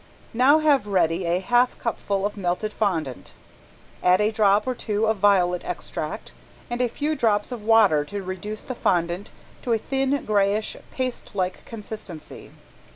Now have ready a half cupful of melted fondant. Add a drop or two of violet extract and a few drops of water to reduce the fondant to a thin, grayish, paste like consistency.